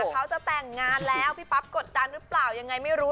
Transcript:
เขาจะแต่งงานแล้วพี่ปั๊บกดดันหรือเปล่ายังไงไม่รู้